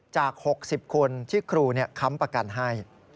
จาก๖๐คนที่ครูค้ำประกันให้